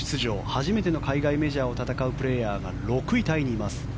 初めての海外メジャーを戦うプレーヤーが６位タイにいます。